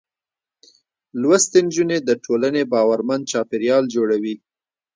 لوستې نجونې د ټولنې باورمن چاپېريال جوړوي.